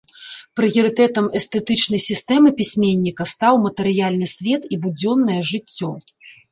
Прыярытэтам эстэтычнай сістэмы пісьменніка стаў матэрыяльны свет і будзённае жыццё.